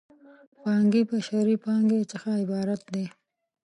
پانګې بشري پانګې څخه عبارت دی.